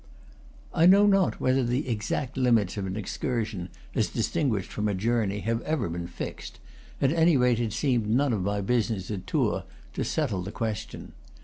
I know not whether the exact limits of an excur sion, as distinguished from a journey, have ever been fixed; at any rate, it seemed none of my business, at Tours, to settle the question.